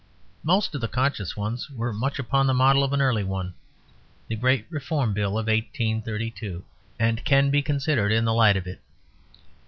Most of the conscious ones were much upon the model of an early one, the great Reform Bill of 1832, and can be considered in the light of it.